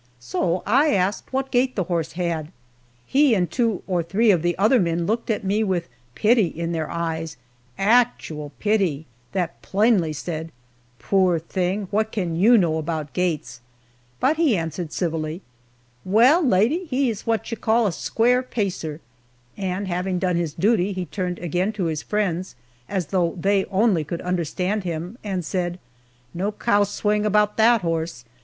So I asked what gait the horse had. He and two or three of the other men looked at me with pity in their eyes actual pity that plainly said, "Poor thing what can you know about gaits"; but he answered civilly, "Well, lady, he is what we call a square pacer," and having done his duty he turned again to his friends, as though they only could understand him, and said, "No cow swing about that horse.